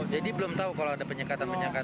jadi belum tahu kalau ada penyekatan penyekatan